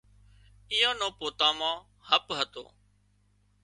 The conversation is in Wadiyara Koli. ايئان نو پوتان مان هپ هتو